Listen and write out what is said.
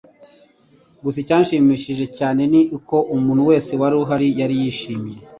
Gusa icyanshimishije cyane ni uko umuntu wese war uhari yari yishimye